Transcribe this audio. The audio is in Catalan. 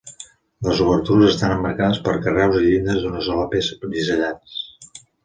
Les obertures estan emmarcades per carreus i llindes d'una sola peça bisellats.